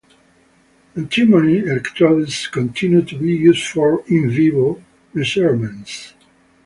Antimony electrodes continue to be used for "in vivo" measurements.